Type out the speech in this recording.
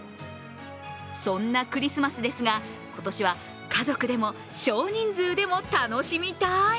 そんなクリスマスですが、今年は家族でも、少人数でも楽しみたい。